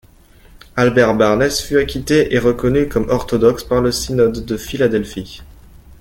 Albert Barnes fut acquitté et reconnu comme orthodoxe par le Synode de Philadelphie.